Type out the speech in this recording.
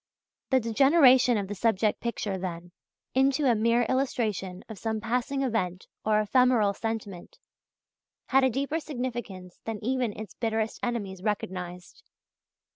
The degeneration of the subject picture, then, into a mere illustration of some passing event or ephemeral sentiment, had a deeper significance than even its bitterest enemies recognized.